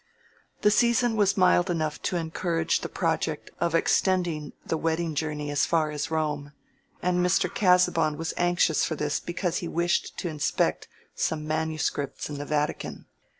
The season was mild enough to encourage the project of extending the wedding journey as far as Rome, and Mr. Casaubon was anxious for this because he wished to inspect some manuscripts in the Vatican.